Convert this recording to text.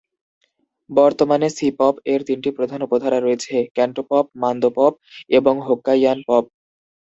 বর্তমানে সি-পপ এর তিনটি প্রধান উপধারা রয়েছে: ক্যান্টোপপ, মান্দপপ এবং হোক্কাইয়ান পপ।